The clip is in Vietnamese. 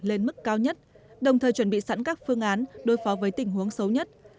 lên mức cao nhất đồng thời chuẩn bị sẵn các phương án đối phó với tình huống xấu nhất